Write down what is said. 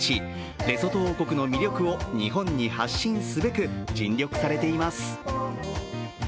レソト王国の魅力を日本に発信すべく尽力されています。